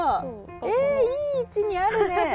いい位置にあるね！